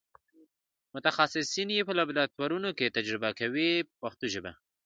متخصصین یې په لابراتوارونو کې تجزیه کوي په پښتو ژبه.